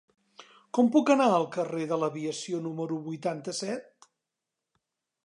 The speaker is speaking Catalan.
Com puc anar al carrer de l'Aviació número vuitanta-set?